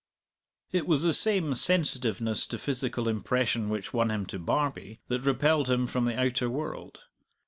It was the same sensitiveness to physical impression which won him to Barbie that repelled him from the outer world.